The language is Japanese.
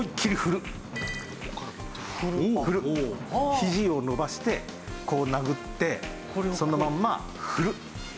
肘を伸ばしてこう殴ってそのまんま振る。いきますよ。